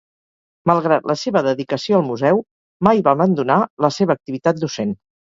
Malgrat la seva dedicació al museu, mai va abandonar la seva activitat docent.